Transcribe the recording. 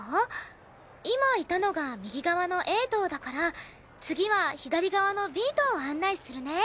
今いたのが右側のＡ棟だから次は左側のＢ棟を案内するね。